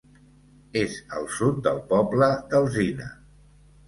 És al sud del poble d'Alzina.